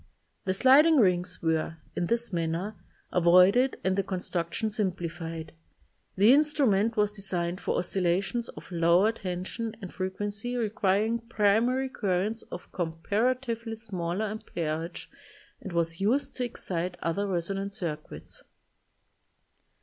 The sliding rings were, in this manner, avoided and the construction simplified. The in strument was designed for oscillations of lower tension and frequency requiring pri mary currents of comparatively smaller amperage and was used to excite other resonant circuits.